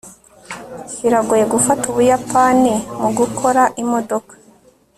biragoye gufata ubuyapani mugukora imodoka